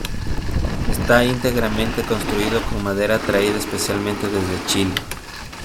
Esta íntegramente construido con madera traída especialmente desde Chile.